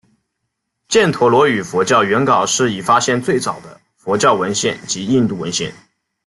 犍陀罗语佛教原稿是已发现最早的佛教文献及印度文献。